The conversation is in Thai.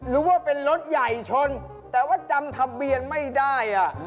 รู้ว่าเป็นรถใหญ่ชนแต่ว่าจำทะเบียนไม่ได้